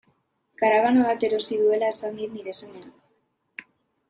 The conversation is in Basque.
Karabana bat erosi duela esan dit nire semeak.